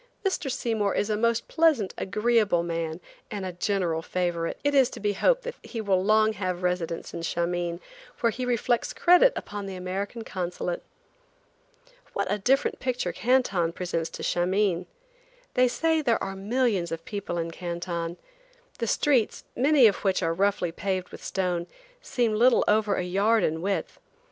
Mr. Seymour is a most pleasant, agreeable man, and a general favorite. It is to be hoped that he will long have a residence in Shameen, where he reflects credit upon the American Consulate. What a different picture Canton presents to Shameen. They say there are millions of people in Canton. The streets, many of which are roughly paved with stone, seem little over a yard in width.